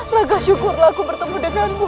raga syukurlah aku bertemu denganmu